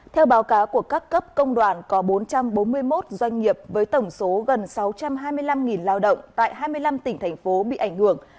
theo báo cáo của các cấp công đoàn có bốn trăm bốn mươi một doanh nghiệp với tổng số gần sáu trăm hai mươi năm lao động tại hai mươi năm tỉnh thành phố bị ảnh hưởng